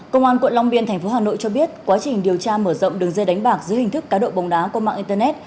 công an quận long biên tp hà nội cho biết quá trình điều tra mở rộng đường dây đánh bạc dưới hình thức cá độ bóng đá qua mạng internet